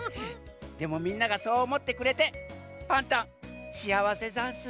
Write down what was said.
でもみんながそうおもってくれてパンタンしあわせざんす。